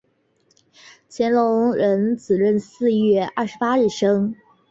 乾隆壬子闰四月二十八日生。